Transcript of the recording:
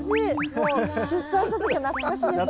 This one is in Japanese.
もう出産した時が懐かしいですね。